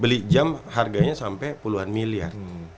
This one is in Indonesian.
beli jam harganya sampai puluhan miliar